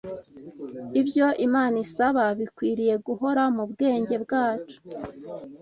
Ibyo Imana isaba bikwiriye guhora mu bwenge bwacu